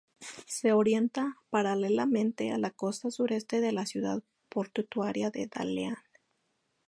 Se orienta paralelamente a la costa sureste de la ciudad portuaria de Dalian.